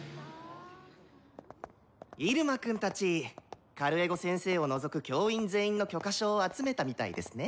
イルマくんたちカルエゴ先生を除く教員全員の許可書を集めたみたいですね。